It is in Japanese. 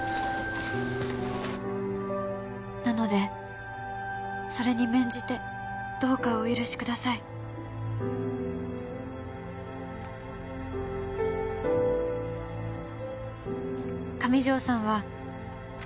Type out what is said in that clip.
「なのでそれに免じてどうかお許しください」「上条さんは」